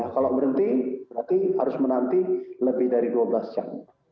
kalau berhenti berarti harus menanti lebih dari dua belas jam